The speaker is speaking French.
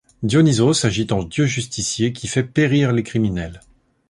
Dionysos agit en dieu justicier, qui fait périr les criminels.